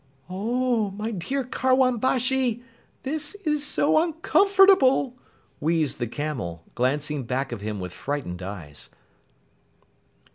"Oh, my dear Karwan Bashi, this is so uncomfortable!" wheezed the camel, glancing back of him with frightened eyes.